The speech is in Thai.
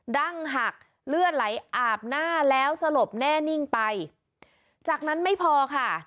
ดั้งหักเลือดไหลอาบหน้าแล้วสลบแน่นิ่งไปจากนั้นไม่พอค่ะ